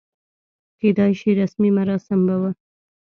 کېدای شي رسمي مراسم به و.